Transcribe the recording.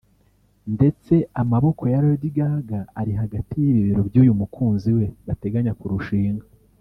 ndetse amaboko ya Lady Gaga ari hagati y’ibibero by’uyu mukunzi we bateganya kurushinga